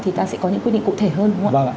thì ta sẽ có những quy định cụ thể hơn